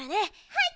はい！